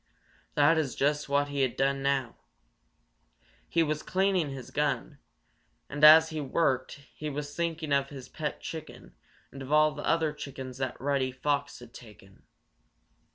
That is just what he had done now. He was cleaning his gun, and as he worked he was thinking of his pet chicken and of all the other chickens that Reddy Fox had taken.